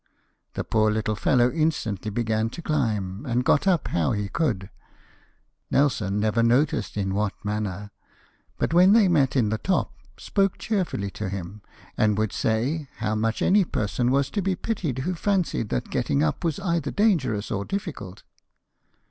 The poor little fellow instantly began to climb, and got up how he could — Nelson never noticed in what manner ; but, when they met in the top, spoke cheerfully to him; and would say, how much any person was to be pitied who fancied that getting up was either dangerous or difficult.